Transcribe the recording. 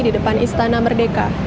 di depan istana merdeka